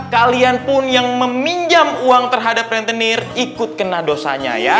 kalian pun yang meminjam uang terhadap rentenir ikut kena dosanya ya